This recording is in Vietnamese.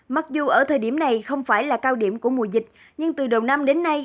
mặc dù ở thời điểm này không phải là cao điểm của mùa dịch nhưng từ đầu năm đến nay